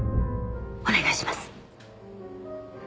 お願いします。